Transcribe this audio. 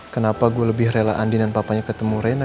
kenapa gue lebih rela andien dan papanya ketemu reina